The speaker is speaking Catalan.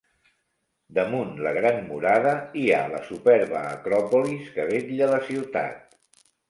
Damunt la gran murada hi ha la superba acròpolis que vetlla la ciutat.